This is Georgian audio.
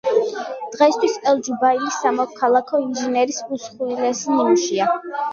დღეისთვის ელ-ჯუბაილი სამოქალაქო ინჟინერიის უმსხვილესი ნიმუშია.